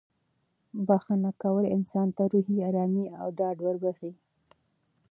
بښنه کول انسان ته روحي ارامي او ډاډ وربښي.